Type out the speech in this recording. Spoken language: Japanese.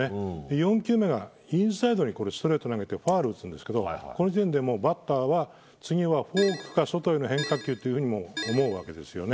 ４球目がインサイドへストレートを投げてファウル打つんですけどこのシーンでバッターは次はフォークか外への変化球と思うわけですね。